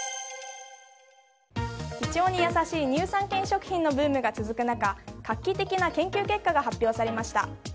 胃腸に優しい乳酸菌食品のブームが続く中画期的な研究結果が発表されました。